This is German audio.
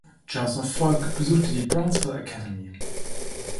Joseph Folk besuchte die "Brownsville Academy".